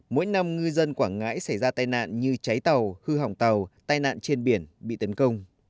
mỗi năm ngư dân quảng ngãi xảy ra tai nạn như cháy tàu hư hỏng tàu tai nạn trên biển bị tấn công